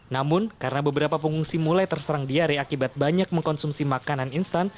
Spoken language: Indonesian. namun karena beberapa pengungsi mulai terserang diare akibat banyak mengkonsumsi makanan instan